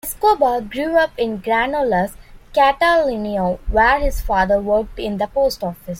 Escobar grew up in Granollers, Catalonia, where his father worked in the post office.